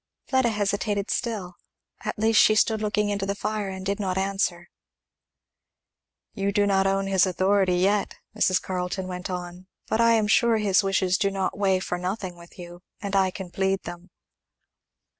Fleda hesitated still; at least she stood looking into the fire and did not answer. "You do not own his authority yet," Mrs. Carleton went on, "but I am sure his wishes do not weigh for nothing with you, and I can plead them."